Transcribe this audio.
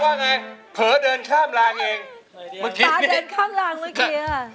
ตายเดียวตาเดินข้ามรางเมื่อกี้